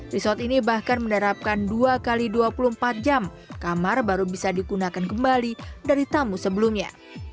resort ini bahkan menerapkan dua x dua puluh empat jam kamar baru bisa digunakan kembali dari tamu sebelumnya